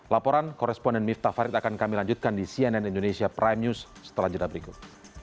laporan koresponden miftah farid akan kami lanjutkan di cnn indonesia prime news setelah jeda berikut